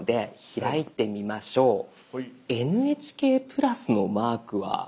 「ＮＨＫプラス」のマークは。